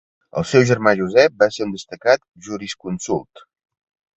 El seu germà Josep va ser un destacat jurisconsult.